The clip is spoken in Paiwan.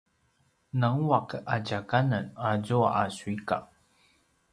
nangua’ a tja kanen azua a suika!